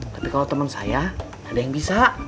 tapi kalau teman saya ada yang bisa